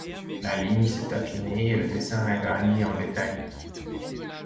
La ligne s'est affinée et le dessin a gagné en détails.